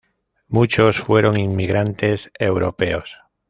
Muchos fueron inmigrantes europeos.